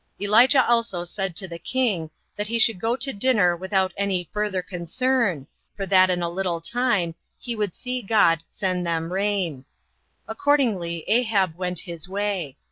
Elijah also said to the king, that he should go to dinner without any further concern, for that in a little time he would see God send them rain. Accordingly Ahab went his way.